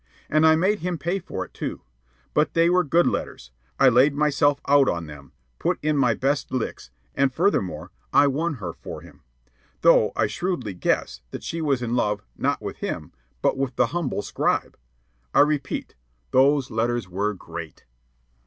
And I made him pay for it, too. But they were good letters. I laid myself out on them, put in my best licks, and furthermore, I won her for him; though I shrewdly guess that she was in love, not with him, but with the humble scribe. I repeat, those letters were great.